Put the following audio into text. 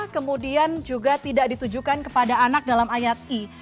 kemudian juga tidak ditujukan kepada anak dalam ayat i